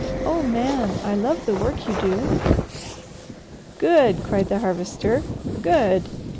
Oh Man! I love the work you do!" "Good!" cried the Harvester. "Good!